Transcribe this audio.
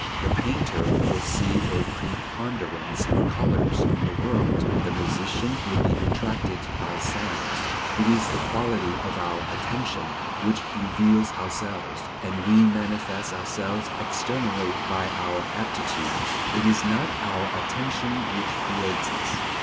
The painter will see a preponderance of colors in the world, the musician will be attracted by sounds. It is the quality of our attention which reveals ourselves, and we manifest ourselves externally by our aptitudes; it is not our attention which creates us.